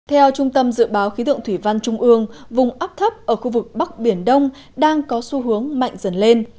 theo trung tâm dự báo khí tượng thủy văn trung ương vùng áp thấp ở khu vực bắc biển đông đang có xu hướng mạnh dần lên